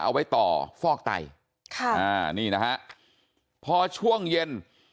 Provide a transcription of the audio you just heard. เอาไว้ต่อฟอกไตค่ะอ่านี่นะฮะพอช่วงเย็น